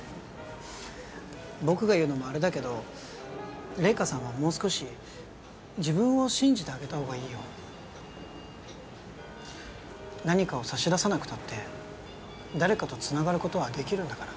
僕が言うのもあれだけど怜華さんはもう少し自分を信じてあげた方がいいよ何かを差し出さなくたって誰かとつながることはできるんだから